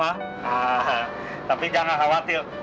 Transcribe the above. ah tapi jangan khawatir